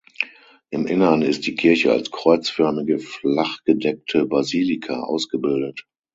Im Innern ist die Kirche als kreuzförmige, flachgedeckte Basilika ausgebildet.